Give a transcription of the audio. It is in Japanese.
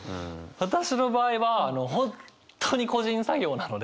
私の場合は本当に個人作業なので。